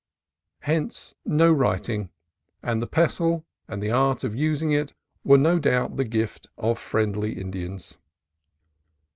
Hence no writing: and the pestle, and the art of using it, were no doubt the gift of friendly Indians.